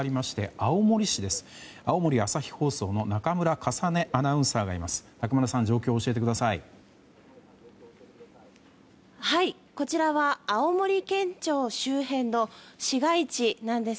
青森朝日放送の中村かさねアナウンサーがいます。